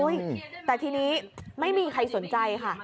แต่ทีนี้ไม่มีใครสนใจค่ะ